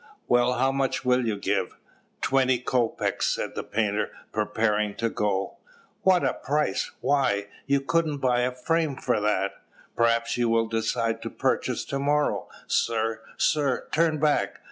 "Well, how much will you give?" "Twenty kopeks," said the painter, preparing to go. "What a price! Why, you couldn't buy the frame for that! Perhaps you will decide to purchase to morrow. Sir, sir, turn back!